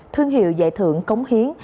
thương hiệu giải thưởng cống hiến